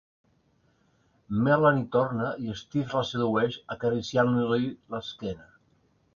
Melanie torna i Steve la sedueix, acariciant-li l"esquena.